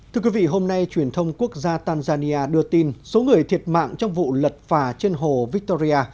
thưa quý vị hôm nay truyền thông quốc gia tanzania đưa tin số người thiệt mạng trong vụ lật phà trên hồ victoria